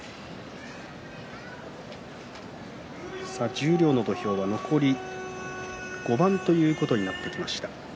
十両の土俵は残り５番ということになってきました。